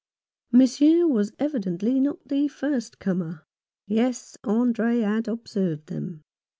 Monsieur was evidently not the first comer. Yes, Andre had observed them.